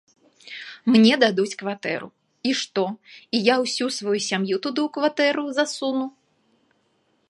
Мне дадуць кватэру, і што, і я ўсю сваю сям'ю туды у кватэру засуну?